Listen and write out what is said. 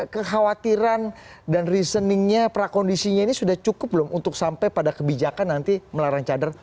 kekhawatiran dan reasoningnya prakondisinya ini sudah cukup belum untuk sampai pada kebijakan nanti melarang cadar